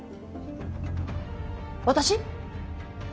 私？